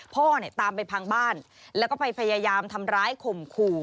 พ่อเนี่ยตามไปพังบ้านแล้วก็ไปพยายามทำร้ายข่มขู่